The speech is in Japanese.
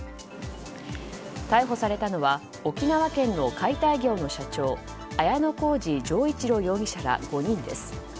逮捕されたのは沖縄県の解体業の社長綾乃小路丈一朗容疑者ら５人です。